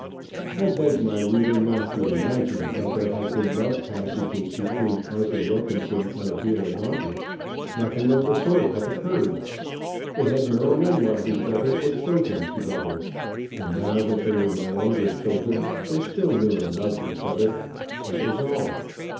I beg my reader not to imagine that there had been love passages between Arthur Wilkinson and Adela Gauntlet: nothing of the sort had occurred. They had known and loved each other as children together, and now that they were no longer children, they still knew and loved each other that was all.